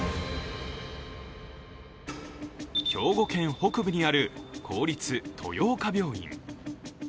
兵庫県北部にある公立豊岡病院。